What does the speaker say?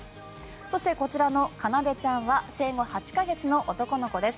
そして、こちらの奏ちゃんは生後８か月の男の子です。